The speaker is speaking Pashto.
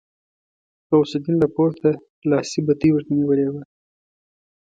غوث الدين له پورته لاسي بتۍ ورته نيولې وه.